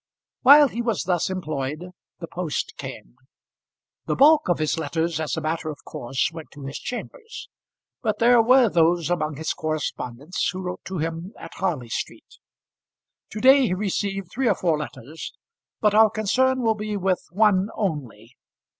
While he was thus employed the post came. The bulk of his letters as a matter of course went to his chambers; but there were those among his correspondents who wrote to him at Harley Street. To day he received three or four letters, but our concern will be with one only.